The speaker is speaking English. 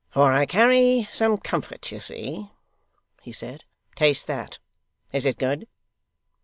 'For I carry some comfort, you see,' he said. 'Taste that. Is it good?